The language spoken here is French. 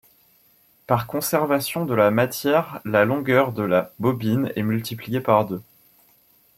Par conservation de la matière, la longueur de la bobine est multipliée par deux.